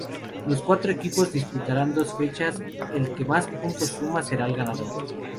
Los cuatro equipos disputarán dos fechas, el que más puntos suma será el ganador.